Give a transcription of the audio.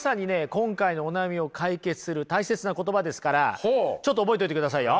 今回のお悩みを解決する大切な言葉ですからちょっと覚えといてくださいよ。